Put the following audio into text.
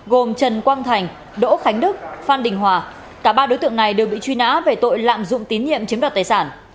gồm trần quang thành đỗ khánh đức phan đình hòa cả ba đối tượng này đều bị truy nã về tội lạm dụng tín nhiệm chiếm đoạt tài sản